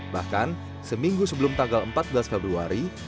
bahkan seminggu sebelum tanggal empat belas februari